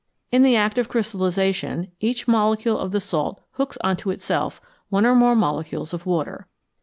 In the act of crystallisation each molecule of the salt hooks on to itself one or more molecules of water.